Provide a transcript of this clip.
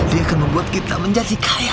dia akan membuat kita menjadi kaya